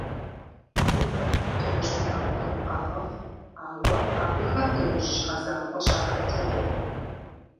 Гупыр дыгъужь унагъуэхэм къагъэхъу, ауэ абыхэм дыгъужь щхьэ закъуэ щахэти къохъу.